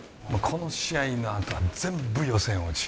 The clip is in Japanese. この試合のあとは全部予選落ち